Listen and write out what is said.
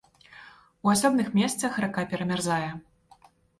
У асобных месцах рака перамярзае.